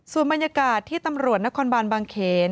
ส่วนบรรยากาศที่ตำรวจนครบานบางเขน